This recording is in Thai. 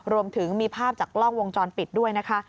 รวมถึงมีภาพจากกล้องวงจรปิดด้วยนะคะ